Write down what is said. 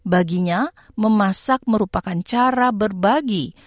baginya memasak merupakan cara berbagi